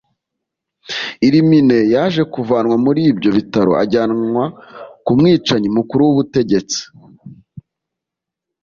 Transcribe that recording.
Illuminée yaje kuvanwa muri ibyo bitaro ajyanwa ku mwicanyi mukuru w’ubutegetsi